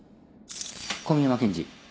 小宮山検事。